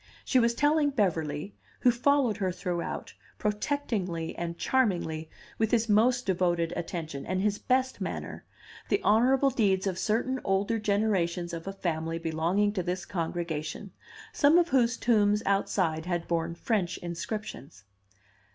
She was telling Beverly (who followed her throughout, protectingly and charmingly, with his most devoted attention and his best manner) the honorable deeds of certain older generations of a family belonging to this congregation, some of whose tombs outside had borne French inscriptions.